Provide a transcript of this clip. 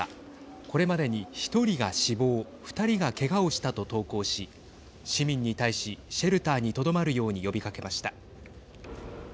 これまでに１人が死亡２人がけがをしたと投稿し市民に対しシェルターにとどまるように呼びかけました。